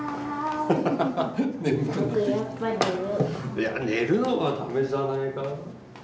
いや寝るのは駄目じゃないかな。